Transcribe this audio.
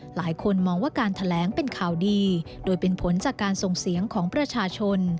หลายคนมองว่าการแถลงเป็นข่าวดีโดยเป็นผลจากการส่งเสียงของประชาชน